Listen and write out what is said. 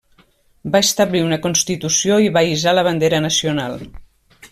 Va establir una constitució i va hissar la bandera nacional.